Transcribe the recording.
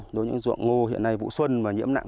đối với những ruộng ngô hiện nay vụ xuân và nhiễm nặng